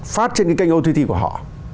phát trên cái kênh ott của họ